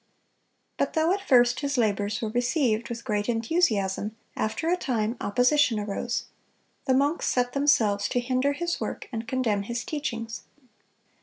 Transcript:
(251) But though at first his labors were received with great enthusiasm, after a time opposition arose. The monks set themselves to hinder his work and condemn his teachings.